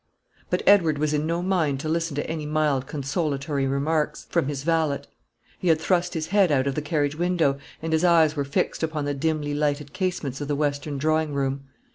But Edward was in no mind to listen to any mild consolatory remarks from his valet. He had thrust his head out of the carriage window, and his eyes were fixed upon the dimly lighted casements of the western drawing room.